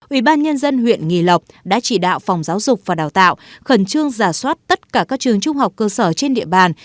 ủy ban nhân dân huyện nghi lộc đã chỉ đạo phòng giáo dục và đào tạo khẩn trương giả soát tất cả các trường trung học cơ sở trên địa bàn